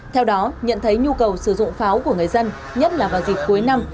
theo đó nhận thấy nhu cầu sử dụng pháo của người dân nhất là vào dịp cuối năm